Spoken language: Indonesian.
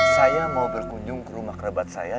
saya mau berkunjung ke rumah kerabat saya